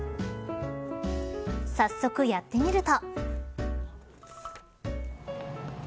早速やってみると。